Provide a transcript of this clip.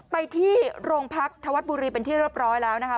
ไปที่โรงพักธวัฒน์บุรีเป็นที่เรียบร้อยแล้วนะคะ